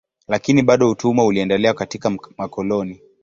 Lakini bado utumwa uliendelea katika makoloni.